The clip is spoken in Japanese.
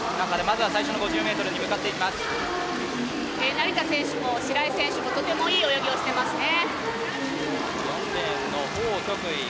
成田選手も白井選手もとてもいい泳ぎをしていますね。